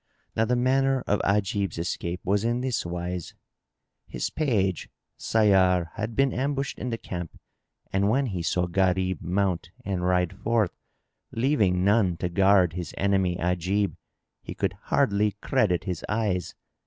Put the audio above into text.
Now the manner of Ajib's escape was in this wise. His page Sayyar had been ambushed in the camp and when he saw Gharib mount and ride forth, leaving none to guard his enemy Ajib, he could hardly credit his eyes.